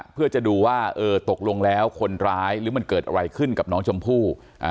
เพื่อจะดูว่าเออตกลงแล้วคนร้ายหรือมันเกิดอะไรขึ้นกับน้องชมพู่